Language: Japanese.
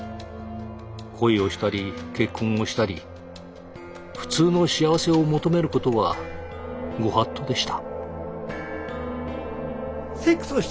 恋をしたり結婚をしたり普通の幸せを求めることは御法度でした。